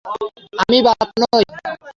আমি বাচ্চা নই।